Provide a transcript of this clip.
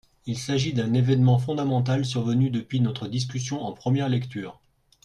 Il s’agit d’un événement fondamental survenu depuis notre discussion en première lecture.